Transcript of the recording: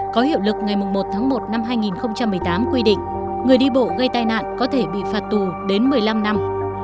có hiệu lực ngày một tháng một năm hai nghìn một mươi tám quy định người đi bộ gây tai nạn có thể bị phạt tù đến một mươi năm năm